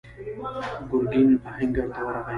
ګرګين آهنګر ته ورغی.